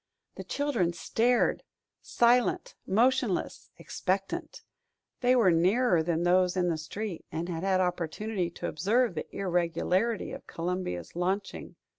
The children stared, silent, motionless, expectant. They were nearer than those in the street and had had opportunity to observe the irregularity of Columbia's launching.